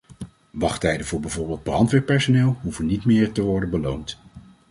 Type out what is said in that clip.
Wachttijden voor bijvoorbeeld brandweerpersoneel hoeven niet meer te worden beloond.